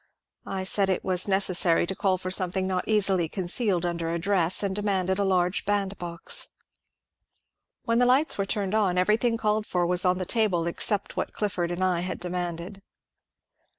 I said it was neces sary to call for something not easily concealed under a dress, and demanded a large bandbox. WJien the lights were turned on everything called for was on thettable except what Clifford and I had demanded.